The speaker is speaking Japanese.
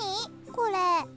これ。